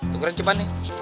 nukerin cepat nih